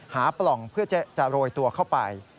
ปล่องเพื่อจะโรยตัวเข้าไป